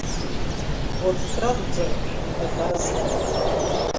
Урҭ ракәӡан иҭатәазгьы.